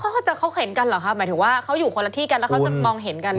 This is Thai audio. หมายถึงว่าเขาอยู่คนละที่กันแล้วเขาจะมองเห็นกัน